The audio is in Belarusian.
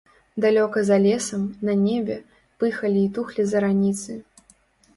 Далёка за лесам, на небе, пыхалі і тухлі зараніцы.